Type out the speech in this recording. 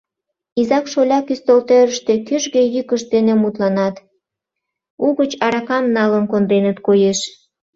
Изак-шоляк ӱстелтӧрыштӧ кӱжгӧ йӱкышт дене мутланат, угыч аракам налын конденыт, коеш.